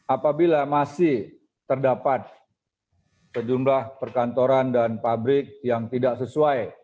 apabila masih terdapat sejumlah perkantoran dan pabrik yang tidak sesuai